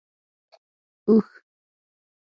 🐪 اوښ